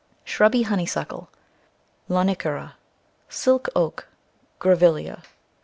Shrubby Honeysuckle, cc Lonicera. Silk Oak, cc Grevillea.